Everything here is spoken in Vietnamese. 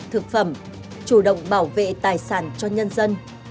thực phẩm chủ động bảo vệ tài sản cho nhân dân